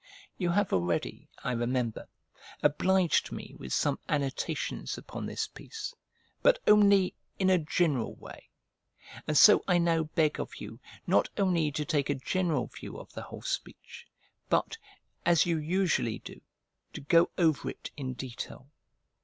You have already, I remember, obliged me with some annotations upon this piece, but only in a general way; and so I now beg of you not only to take a general view of the whole speech, but, as you usually do, to go over it in detail.